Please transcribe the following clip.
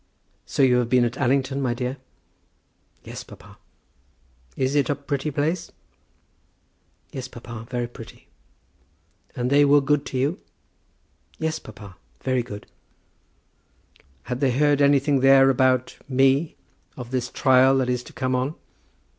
"So you have been at Allington, my dear?" "Yes, papa." "Is it a pretty place?" "Yes, papa; very pretty." "And they were good to you?" "Yes, papa; very good." "Had they heard anything there about me; of this trial that is to come on?"